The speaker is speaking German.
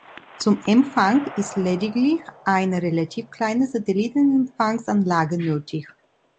Zum Empfang ist lediglich eine relativ kleine Satelliten-Empfangsanlage nötig.